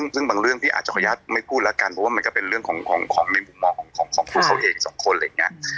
ซึ่งบางเรื่องพี่อาจจะขออนุญาตไม่พูดแล้วกันเพราะว่ามันก็เป็นเรื่องของในมุมมองของตัวเขาเองสองคนอะไรอย่างนี้